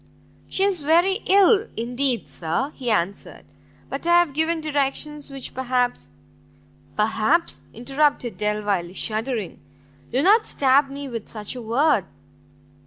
"She is very ill, indeed, sir," he answered, "but I have given directions which perhaps " "Perhaps!" interrupted Delvile, shuddering, "do not stab me with such a word!"